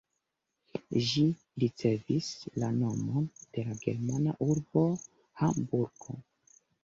Ĝi ricevis la nomon de la germana urbo Hamburgo.